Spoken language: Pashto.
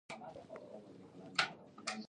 او مانا لري.